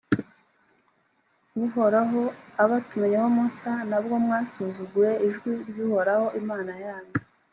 uhoraho abatumyeho musa na bwo mwasuzuguye ijwi ry’uhoraho imana yanyu,